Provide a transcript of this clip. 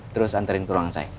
terus antarin ke ruangan saya